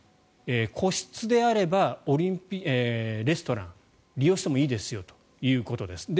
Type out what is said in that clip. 個室であればレストラン利用してもいいですよということです。